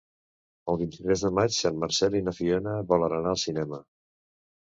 El vint-i-tres de maig en Marcel i na Fiona volen anar al cinema.